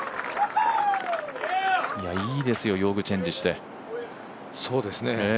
いいですよ、用具チェンジして。